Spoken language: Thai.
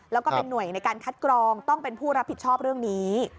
แล้วก็เป็นหน่วยในการคัดกรองต้องเป็นผู้รับผิดชอบเรื่องนี้